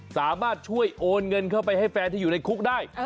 สามารถช่วยโอนเงินเข้าไปให้แฟนที่อยู่ในคุกได้